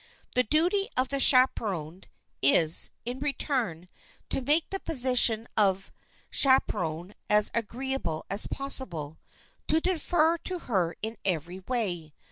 The duty of the chaperoned, is, in return, to make the position of chaperon as agreeable as possible, to defer to her in every way.